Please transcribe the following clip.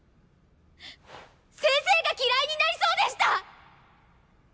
先生が嫌いになりそうでした！